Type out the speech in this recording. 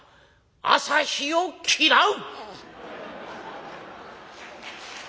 「朝日を嫌う！」。